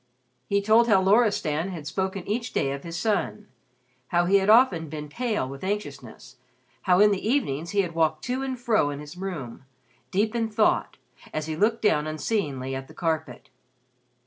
He told how Loristan had spoken each day of his son, how he had often been pale with anxiousness, how in the evenings he had walked to and fro in his room, deep in thought, as he looked down unseeingly at the carpet.